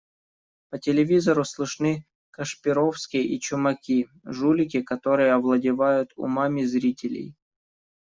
По телевизору слышны Кашпировские и Чумаки, жулики, которые овладевают умами зрителей.